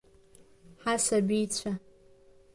Ҳасабицәа!